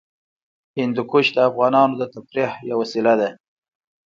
هندوکش د افغانانو د تفریح یوه وسیله ده.